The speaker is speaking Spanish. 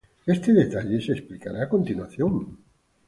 Este detalle se explicará a continuación.